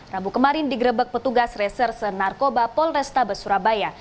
rabu kemarin digrebek petugas reserse narkoba polrestabes surabaya